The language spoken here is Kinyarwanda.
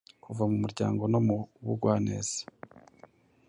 Kuva mu muryango no mu bugwaneza